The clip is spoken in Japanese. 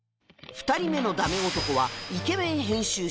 ２人目のダメ男はイケメン編集者